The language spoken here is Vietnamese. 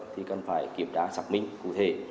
thì cần phải kiểm tra xác minh cụ thể